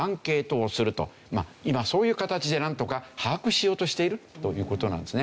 今そういう形でなんとか把握しようとしているという事なんですね。